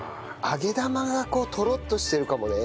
揚げ玉がトロッとしてるかもね。